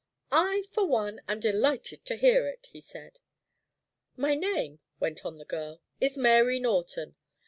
"I, for one, am delighted to hear it," he said. "My name," went on the girl, "is Mary Norton.